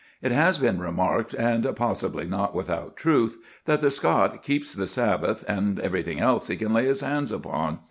It has been remarked, and possibly not without truth, that the Scot keeps the Sabbath and everything else he can lay his hands upon.